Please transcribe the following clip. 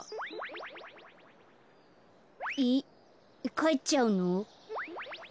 えっかえっちゃうの？